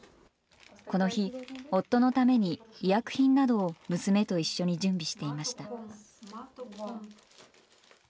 この日、夫のために医薬品などを娘と一緒に準備していました。